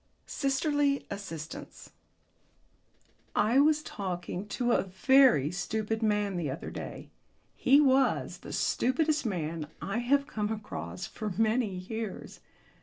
SISTERLY ASSISTANCE I was talking to a very stupid man the other day. He was the stupidest man I have come across for many years.